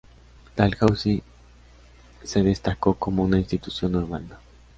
Dalhousie se destacó como una institución urbana.